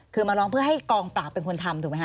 คือมาร้องเพื่อให้กองปราบเป็นคนทำถูกไหมค